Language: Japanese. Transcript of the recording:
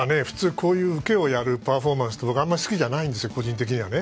普通、こういう受けをやるパフォーマンスとかあまり好きじゃないです。